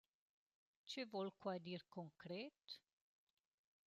Che voul quai dir concret?